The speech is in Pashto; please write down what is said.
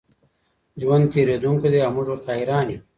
ژوند تېرېدونکی دی او موږ ورته حېران یو.